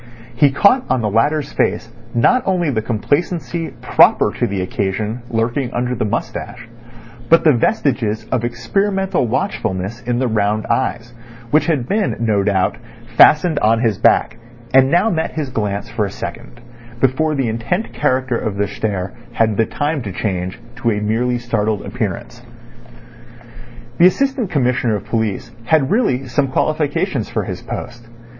He caught on the latter's face not only the complacency proper to the occasion lurking under the moustache, but the vestiges of experimental watchfulness in the round eyes, which had been, no doubt, fastened on his back, and now met his glance for a second before the intent character of their stare had the time to change to a merely startled appearance. The Assistant Commissioner of Police had really some qualifications for his post.